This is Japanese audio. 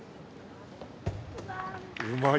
うまい！